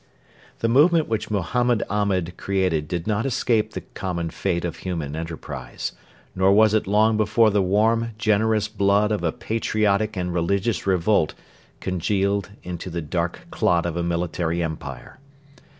The movement which Mohammed Ahmed created did not escape the common fate of human enterprise; nor was it long before the warm generous blood of a patriotic and religious revolt congealed into the dark clot of a military empire.